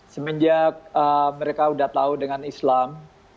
semenjak mereka sudah tahu dengan islam